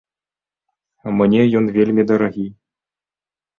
Мне ён вельмі дарагі.